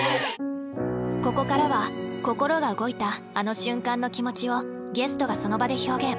ここからは心が動いたあの瞬間の気持ちをゲストがその場で表現。